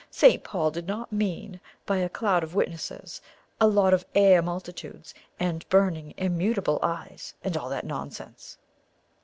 St. Paul did not mean by 'a cloud of witnesses,' a lot of 'air multitudes' and 'burning, immutable eyes,' and all that nonsense."